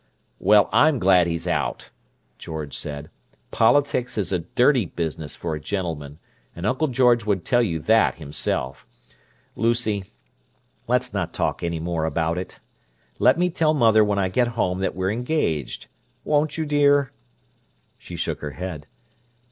"Well, I'm glad he's out," George said. "Politics is a dirty business for a gentleman, and Uncle George would tell you that himself. Lucy, let's not talk any more about it. Let me tell mother when I get home that we're engaged. Won't you, dear?" She shook her head.